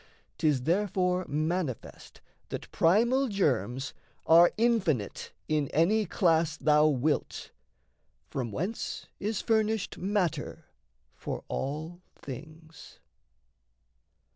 'Tis therefore manifest that primal germs, Are infinite in any class thou wilt From whence is furnished matter for all things.